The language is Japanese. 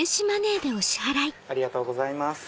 ありがとうございます。